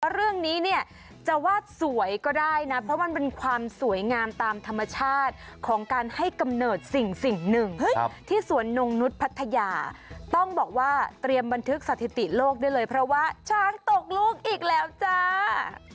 เรื่องนี้เนี่ยจะว่าสวยก็ได้นะเพราะมันเป็นความสวยงามตามธรรมชาติของการให้กำเนิดสิ่งหนึ่งที่สวนนงนุษย์พัทยาต้องบอกว่าเตรียมบันทึกสถิติโลกได้เลยเพราะว่าช้างตกลูกอีกแล้วจ้า